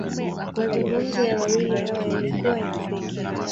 Mazungumzo ya wawili hawa, yalikuwa ya kipekee.